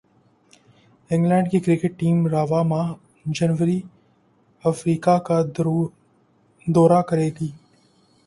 England کی cricket team رواں ماہ جنوبی افریقہ کا دورہ کرے گی